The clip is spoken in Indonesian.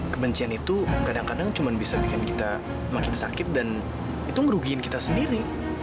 kebencian itu kadang kadang cuma bisa bikin kita makin sakit dan itu ngerugikan kita sendiri